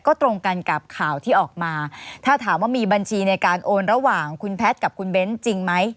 ก็ตรงกันกับข่าวที่ออกมาถ้าถามว่ามีบัญชีในการโอนระหว่างคุณแพทย์กับคุณเบ้นจริงไหม